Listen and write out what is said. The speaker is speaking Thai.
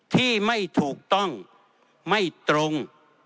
ที่ไม่ถูกต้องไม่ตรง